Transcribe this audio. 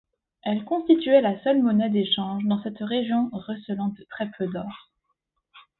Elles constituaient la seule monnaie d'échange dans cette région recélant très peu d'or.